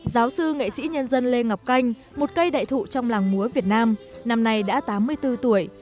giáo sư nghệ sĩ nhân dân lê ngọc canh một cây đại thụ trong làng múa việt nam năm nay đã tám mươi bốn tuổi